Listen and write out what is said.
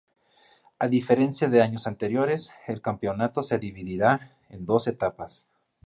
A diferencia de años anteriores, el campeonato se dividirá en dos etapas.